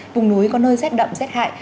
vùng núi có nơi rét đậm rét hại